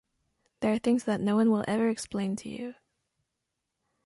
There are things that no one will ever explain you.